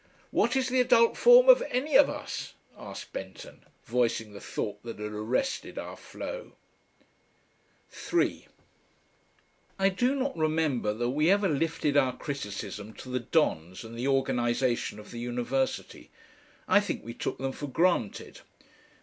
"What is the adult form of any of us?" asked Benton, voicing the thought that had arrested our flow. 3 I do not remember that we ever lifted our criticism to the dons and the organisation of the University. I think we took them for granted.